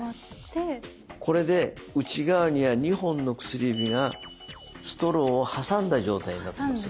これで内側には２本の薬指がストローを挟んだ状態になっています。